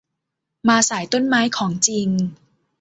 มาสายต้นไม้ของจริง